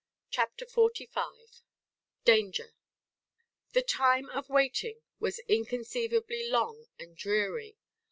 CHAPTER XLV DANGER The time of waiting was inconceivably long and dreary.